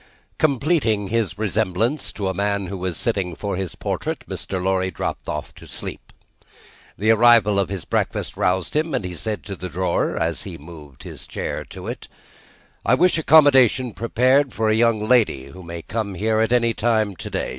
Completing his resemblance to a man who was sitting for his portrait, Mr. Lorry dropped off to sleep. The arrival of his breakfast roused him, and he said to the drawer, as he moved his chair to it: "I wish accommodation prepared for a young lady who may come here at any time to day.